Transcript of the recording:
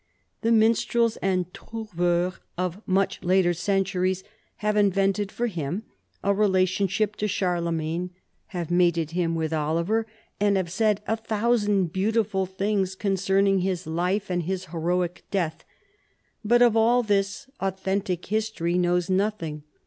The minstrels and trouveurs of mucli RONCESVALLES. 199 later centuries have invented for hira a relationsliip to Charlemagne, have mated him with Oliver, and have said a thousand beautiful things concerning his life and his heroic death ; but, of all this, authentic history knows nothing.